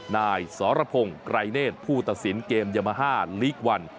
นายสรพงศ์ไกรเนธผู้ตัดสินเกมยามาฮ่าลีกวัน